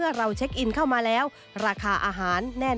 เป็นอย่างไรนั้นติดตามจากรายงานของคุณอัญชาฬีฟรีมั่วครับ